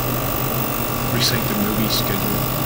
Recite the movie schedule.